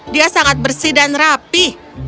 dia sangat bersih dan rapi